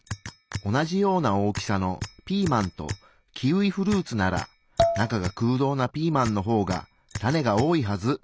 同じような大きさのピーマンとキウイフルーツなら中が空洞なピーマンのほうがタネが多いはず。